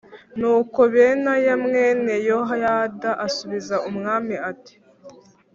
Nuko Benaya mwene Yehoyada asubiza umwami ati “Amen.